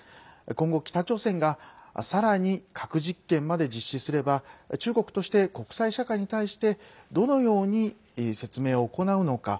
今後、北朝鮮がさらに核実験まで実施すれば中国として国際社会に対してどのように説明を行うのか。